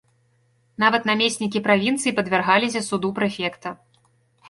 Нават намеснікі правінцый падвяргаліся суду прэфекта.